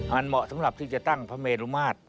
มันเหมาะสำหรับที่จะตั้งพระเมรุมาตร